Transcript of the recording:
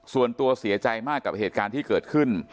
ส่วนตัวเสียใจมากกับเหตุการณ์ที่เกิดขึ้น